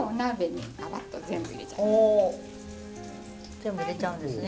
全部入れちゃうんですね。